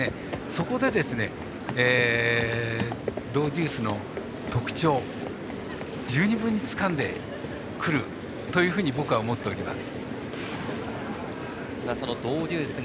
そこでドウデュースの特徴十二分につかんでくるというふうに僕は思っております。